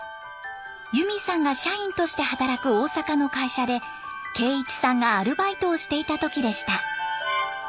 ゆみさんが社員として働く大阪の会社で圭一さんがアルバイトをしていた時でした。